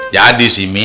jadi sih mi